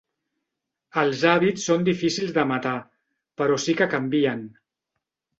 Els hàbits són difícils de matar, però sí que canvien.